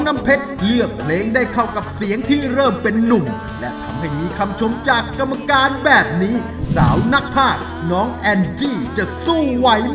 ไม่ต้องการไม่ฟองน้องนั้น